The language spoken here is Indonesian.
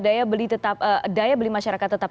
daya beli masyarakat tetap